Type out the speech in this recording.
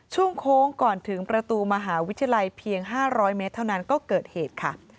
โค้งก่อนถึงประตูมหาวิทยาลัยเพียง๕๐๐เมตรเท่านั้นก็เกิดเหตุค่ะ